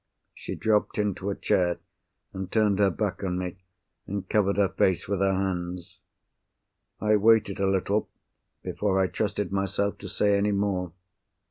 She dropped into a chair, and turned her back on me, and covered her face with her hands. I waited a little before I trusted myself to say any more.